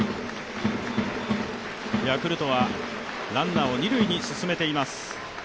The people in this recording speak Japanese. ヤクルトはランナーを二塁に進めています。